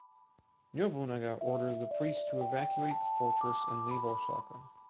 Nobunaga orders the priest to evacuate the fortress and leave Osaka.